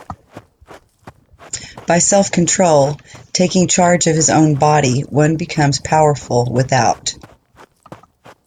By self-control, taking charge of his own body one becomes powerful without.